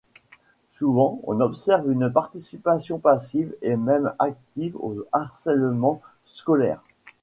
Souvent on observe une participation passive et même active au harcèlement scolaire.